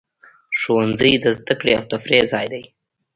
ښوونځی د زده کړې او تفریح ځای دی.